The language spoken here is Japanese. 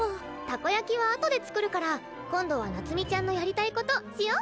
たこ焼きは後で作るから今度は夏美ちゃんのやりたいことしよ？